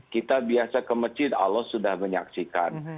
kita biasa ke masjid allah sudah menyaksikan